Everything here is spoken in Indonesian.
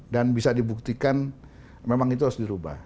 dan bisa dibuktikan memang itu harus dirubah